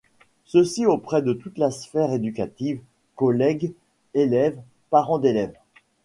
Ceci auprès de toute la sphère éducative : collègues, élèves, parents d'élèves.